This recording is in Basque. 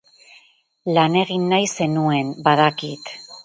Lan egin nahi zenuen, badakit.